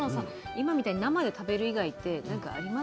今みたいに生で食べる以外って何かあります？